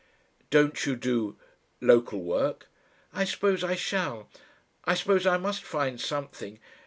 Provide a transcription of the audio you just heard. "Don't you do local work?" "I suppose I shall. I suppose I must find something.